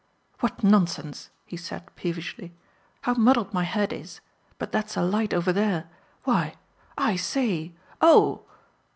"What nonsense!" he said peevishly. "How muddled my head is. But that's a light over there. Why! I say! Oh!"